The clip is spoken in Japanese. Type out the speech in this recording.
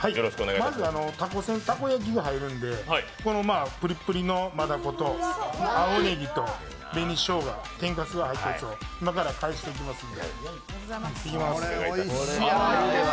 まず、たこせん、たこ焼きが入るんで、このプリップリの真ダコと青ねぎと紅しょうが、天かすが入ったやつを今から返していきますんで。